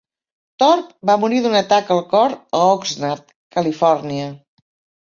Thorp va morir d'un atac al cor a Oxnard, Califòrnia.